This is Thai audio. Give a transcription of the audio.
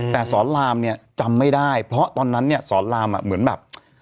แต่สอนรามเนี่ยจำไม่ได้เพราะตอนนั้นเนี่ยสอนรามเหมือนแบบ